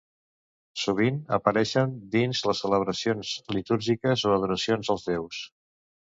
Sovint apareixen dins les celebracions litúrgiques o d'adoració als déus.